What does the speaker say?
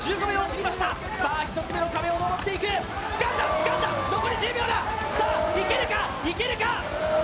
さあ１つ目の壁を登っていく、つかんだ、つかんだ残り１０秒だ、さぁ、いけるか、いけるか。